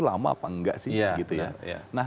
lama apa enggak sih nah